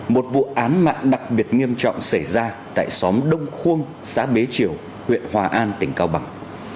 một vụ án mạng đặc biệt nghiêm trọng xảy ra tại xóm đông khuông xã bế triều huyện hòa an tỉnh cao bằng